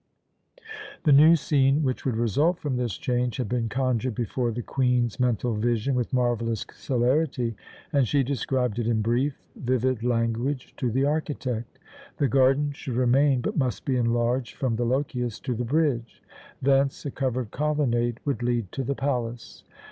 The new scene which would result from this change had been conjured before the Queen's mental vision with marvellous celerity, and she described it in brief, vivid language to the architect. The garden should remain, but must be enlarged from the Lochias to the bridge. Thence a covered colonnade would lead to the palace.